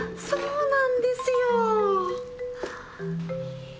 そうなんですよ！